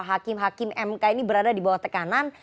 hakim hakim mk ini berada di bawah tekanan